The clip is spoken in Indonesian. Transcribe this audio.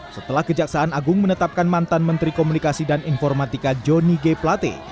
setelah kejaksaan agung menetapkan mantan menteri komunikasi dan informatika johnny g plate